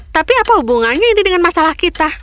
tapi apa hubungannya ini dengan masalah kita